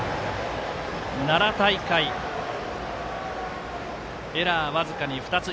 奈良大会、エラー僅かに１つ。